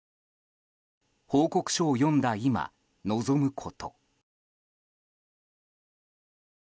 報告書を読んだ今、望むこと。